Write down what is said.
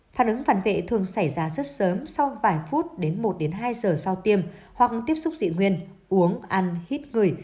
phản ứng phản vệ thường xảy ra rất sớm sau vài phút đến một hai giờ sau tiêm hoặc tiếp xúc dị nguyên uống ăn hít gửi